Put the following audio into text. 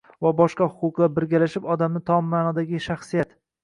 va boshqa huquqlar birlashib odamni tom ma’nodagi shaxsiyat